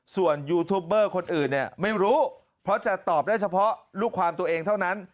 ส่วนยูทูปเบอร์คนอื่นเนี่ยไม่รู้เพราะจะตอบได้เฉพาะลูกความตัวเองเท่านั้น